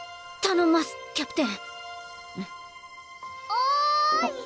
・おい！